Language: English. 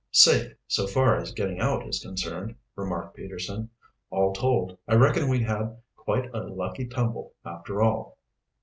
"Safe, so far as getting out is concerned," remarked Peterson. "All told, I reckon we had quite a lucky tumble, after all."